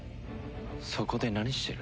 そこで何してる？